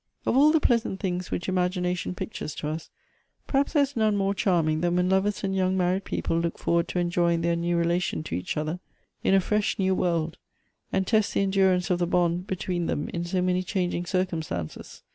Of all the pleasant things which imagination pictures to us, perhaps there is none more charming than when lovers and young married people look forward to enjoy ing their new relation to each other in a fresh, new world, and test the endurance of the bond between them in so many changing circumstances.